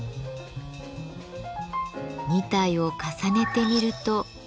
２体を重ねてみると。